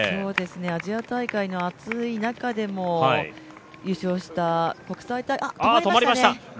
アジア大会の暑い中でも優勝した止まりましたね。